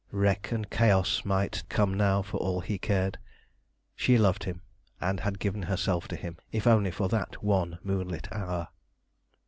Wreck and chaos might come now for all he cared. She loved him, and had given herself to him, if only for that one moonlit hour.